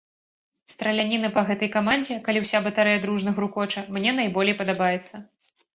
Страляніна па гэтай камандзе, калі ўся батарэя дружна грукоча, мне найболей падабаецца.